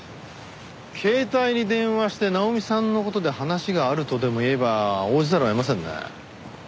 携帯に電話して奈穂美さんの事で話があるとでも言えば応じざるを得ませんね。